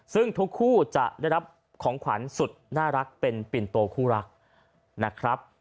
ซึ่งทุกคู่จะได้รับของขวัญสุดน่ารักเป็นปิ่นโตคู่รักนะครับ